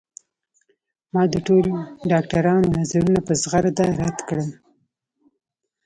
ما د ټولو ډاکترانو نظرونه په زغرده رد کړل